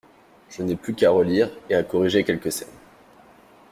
Je n’ai plus qu’à relire et à corriger quelques scènes.